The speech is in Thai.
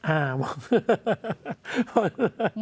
อ่ามอง